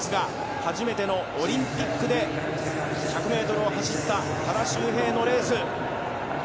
初めてのオリンピックで１００ｍを走った多田修平のレース。